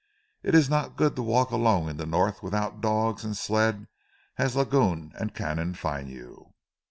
"It ees not good to walk alone in ze North without dogs an' sled as Lagoun and Canim find you."